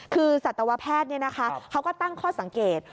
คือสัตวแพทย์เขาก็ตั้งข้อสังเกต